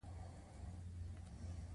د سکارو مالک به هم غنمو ته اړتیا درلوده